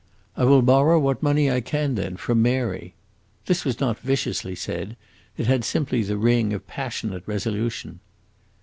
"I will borrow what money I can, then, from Mary!" This was not viciously said; it had simply the ring of passionate resolution.